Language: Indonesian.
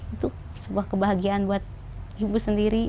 itu sebuah kebahagiaan buat ibu sendiri